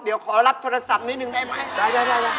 เดี๋ยวขอรับโทรศัพท์นิดนึงได้ไหม